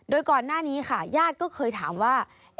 โดยก่อนหน้านี้ค่ะญาติก็เคยถามว่า